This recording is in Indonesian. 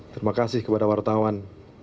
terima kasih kepada wartawan